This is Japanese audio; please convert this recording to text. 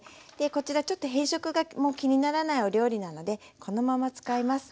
こちらちょっと変色がもう気にならないお料理なのでこのまま使います。